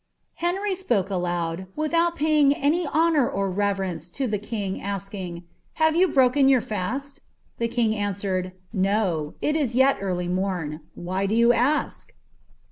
* Henry "poke aloud, without paying any hononr or laTerence to tlw king, asking. *> Have you broken your last i" ^ Tbe king answered, ^ No, it is yet early mom. Why do you aak